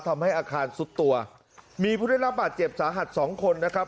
ทำให้อาคารสุดตัวมีผู้ได้รับบาดเจ็บสาหัสสองคนนะครับ